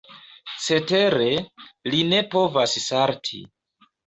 Cetere, li ne povas salti.